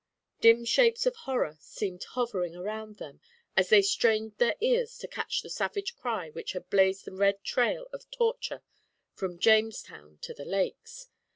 Dim shapes of horror seemed hovering around them as they strained their ears to catch the savage cry which had blazed the red trail of torture from Jamestown to the Lakes.